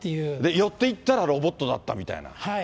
寄っていったらロボットだったみたいな。